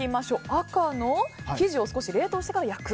赤の生地を少し冷凍してから焼く。